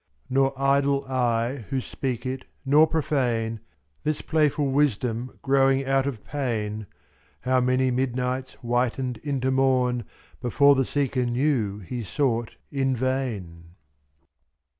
42 Nor idle I who speak it, nor profane, This playful wisdom growing out of pain; Ji' How many midnights whitened into morn Before the seeker knew he sought in vain.